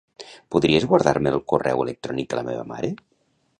Podries guardar-me el correu electrònic de la meva mare?